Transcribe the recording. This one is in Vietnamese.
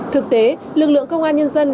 thực tế lực lượng công an nhân dân